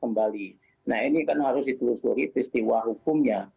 nah ini kan harus ditelusuri peristiwa hukumnya